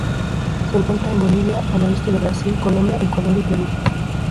Se encuentra en Bolivia, al oeste de Brasil, Colombia, Ecuador y Perú.